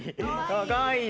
かわいい。